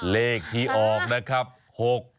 เลขที่ออกนะครับ๖๗๓ครับ